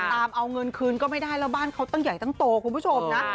ตามเอาเงินคืนก็ไม่ได้แล้วบ้านเขาตั้งใหญ่ตั้งโตคุณผู้ชมนะ